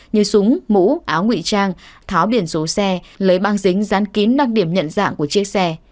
như súng mũ áo nguy trang tháo biển số xe lấy băng dính rán kín đặc điểm nhận dạng của chiếc xe